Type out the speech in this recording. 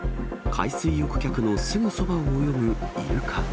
海水浴客のすぐそばを泳ぐイルカ。